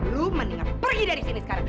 lu mendingan pergi dari sini sekarang